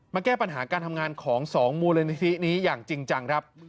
แก้ปัญหาการทำงานของ๒มูลนิธินี้อย่างจริงจังครับ